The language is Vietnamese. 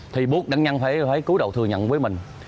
thì buộc nạn nhân phải cứu đầu thừa nhận với mình